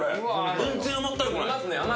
全然甘ったるくない。